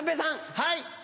はい。